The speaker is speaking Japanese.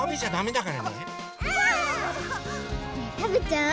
ねえたべちゃう？